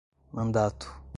mandato